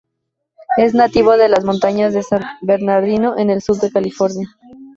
Es nativo de las montañas de San Bernardino en el sur de California.